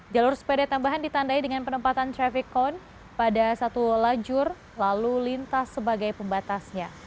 jalur sepeda tambahan ditandai dengan penempatan traffic cone pada satu lajur lalu lintas sebagai pembatasnya